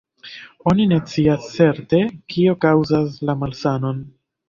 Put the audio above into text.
Oni ne scias certe, kio kaŭzas la malsanon.